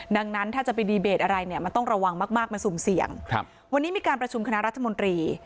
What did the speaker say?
ดังนั้นถ้าจะไปดีเบตอะไรเนี่ยมันต้องระวังมากมากมันสุ่มเสี่ยงครับวันนี้มีการประชุมคณะรัฐมนตรี